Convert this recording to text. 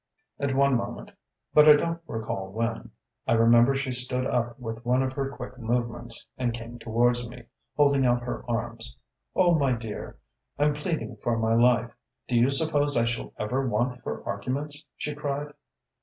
"At one moment but I don't recall when I remember she stood up with one of her quick movements, and came toward me, holding out her arms. 'Oh, my dear, I'm pleading for my life; do you suppose I shall ever want for arguments?' she cried....